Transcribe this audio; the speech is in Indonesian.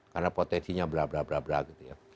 karena potensinya blablabla gitu ya